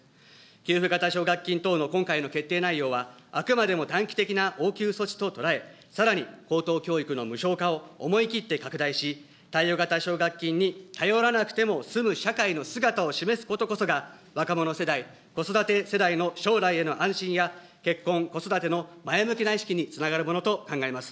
給付型奨学金等の今回の決定内容はあくまでも短期的なおうしゅう措置と捉え、さらに高等教育の無償化を思い切って拡大し、貸与型奨学金に頼らなくてもすむ社会の姿を示すことこそが、若者世代、子育て世代の将来への安心や結婚、子育ての前向きな意識につながるものと考えます。